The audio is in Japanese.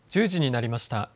１０時になりました。